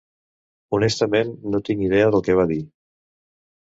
Honestament, no tinc idea del que va dir.